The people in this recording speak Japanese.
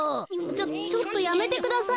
ちょっとやめてください。